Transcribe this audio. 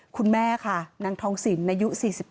คุณแม่ค่ะนางทองสินอายุ๔๗